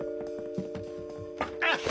あっ。